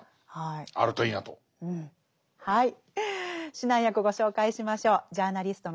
指南役ご紹介しましょう。